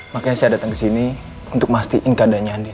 makanya saya datang kesini untuk mastiin keadaannya andin